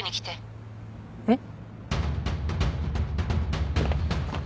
えっ？